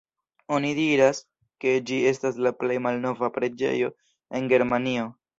Oni diras ke ĝi estas la plej malnova preĝejo en Germanio.